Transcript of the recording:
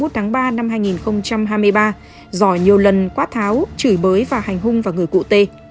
từ ngày ba mươi một tháng ba năm hai nghìn hai mươi ba giỏi nhiều lần quát tháo chửi bới và hành hung vào người cụ t